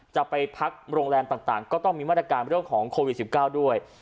จะไปพักโรงแรมต่างก็ต้องมีมาตรการเรื่องของโควิด๑๙ด้วย